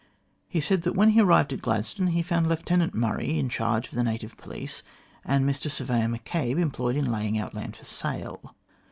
He said that when he arrived at Gladstone he found Lieutenant Murray in charge of the native police, and Mr Surveyor M'Cabe employed in laying out land for sale.